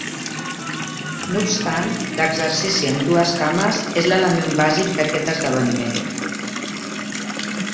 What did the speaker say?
No obstant, l"exercici amb dues cames és l"element bàsic d"aquest esdeveniment.